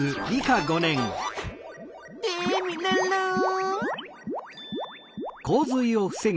テミルンルン！